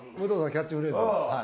キャッチフレーズは？